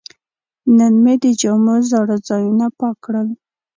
نن مې د جامو زاړه ځایونه پاک کړل.